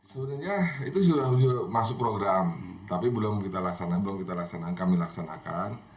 sebenarnya itu sudah masuk program tapi belum kita laksanakan belum kita laksanakan kami laksanakan